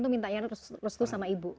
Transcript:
itu minta yang restu sama ibu